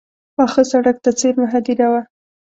پاخه سړک ته څېرمه هدیره وه.